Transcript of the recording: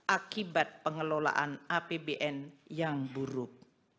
akibat pengelolaan apbn yang buruk